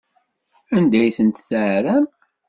Anda ay tent-tɛerram?